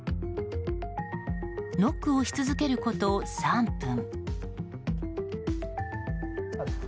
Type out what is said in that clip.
ノックをし続けること３分。